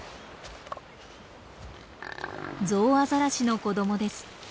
ゾウアザラシの子供です。